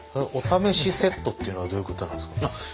お試しセットっていうのはどういうことなんですか？